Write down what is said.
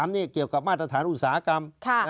นี่เกี่ยวกับมาตรฐานอุตสาหกรรม